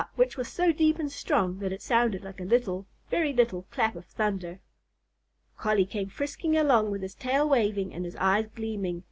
which was so deep and strong that it sounded like a little, very little, clap of thunder. Collie came frisking along with his tail waving and his eyes gleaming.